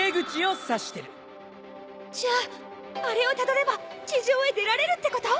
じゃああれをたどれば地上へ出られるってこと！？